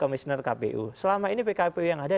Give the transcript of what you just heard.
komisioner kpu selama ini pkpu yang ada